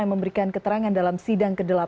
yang memberikan keterangan dalam sidang ke delapan